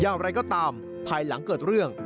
อย่างไรก็ตามภายหลังเกิดเรื่อง